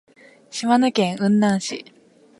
島根県雲南市